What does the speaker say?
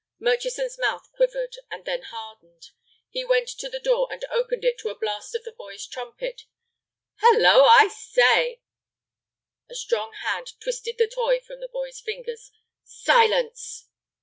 Murchison's mouth quivered, and then hardened. He went to the door, and opened it to a blast of the boy's trumpet. "Hallo, I say—" A strong hand twisted the toy from the boy's fingers. "Silence."